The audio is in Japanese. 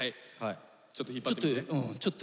ちょっと引っ張ってみて。